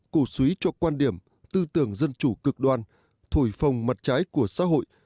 cổ suý cho quan điểm tư tưởng dân chủ cực đoan thổi phồng mặt trái của xã hội